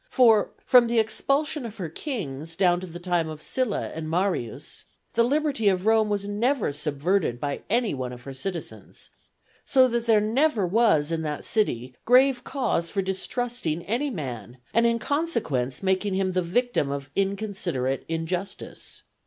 For, from the expulsion of her kings down to the times of Sylla and Marius, the liberty of Rome was never subverted by any one of her citizens; so that there never was in that city grave cause for distrusting any man, and in consequence making him the victim of inconsiderate injustice.